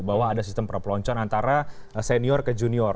bahwa ada sistem perpeloncoan antara senior ke junior